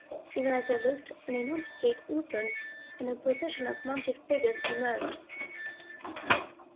Even as they looked an enormous gate opened and a procession of mounted figures emerged.